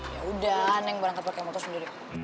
yaudah neng barang keper kemotu sendiri